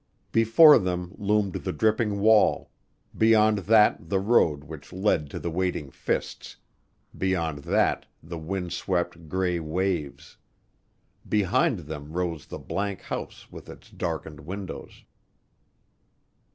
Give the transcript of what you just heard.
Before them loomed the dripping wall, beyond that the road which led to the waiting fists, beyond that the wind swept, gray waves; behind them rose the blank house with its darkened windows.